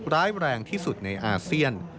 ร้ายแรงที่สุดในอาเซียน